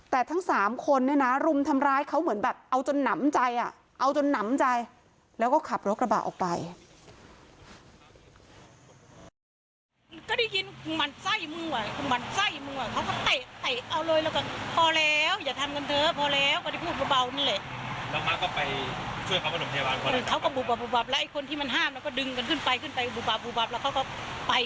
แต่ทั้งสามคนเนี่ยนะรุมทำร้ายเขาเหมือนแบบเอาจนหนำใจเอาจนหนำใจแล้วก็ขับรถกระบะออกไป